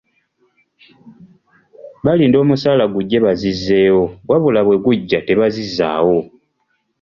Balinda omusaala gujje bazizzeewo, wabula bwe gujja tebazizzaaawo.